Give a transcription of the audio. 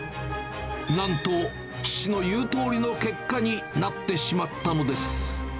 なんと、父の言うとおりの結果になってしまったのです。